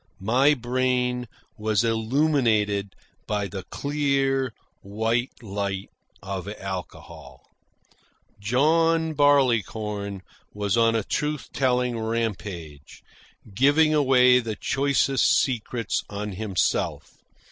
My brain was illuminated by the clear, white light of alcohol. John Barleycorn was on a truth telling rampage, giving away the choicest secrets on himself.